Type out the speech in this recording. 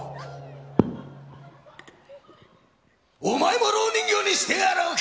お前もろう人形にしてやろうか。